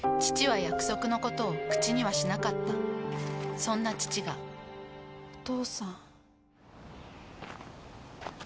父は約束のことを口にはしなかったそんな父がお父さん。